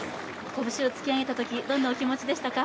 拳を突き上げたとき、どんなお気持ちでしたか？